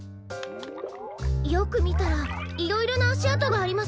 よくみたらいろいろなあしあとがあります。